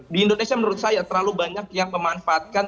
di indonesia menurut saya terlalu banyak yang memanfaatkan